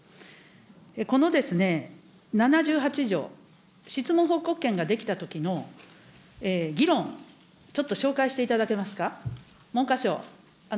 この７８条、質問報告権が出来たときの、議論、ちょっと紹介していただけますか。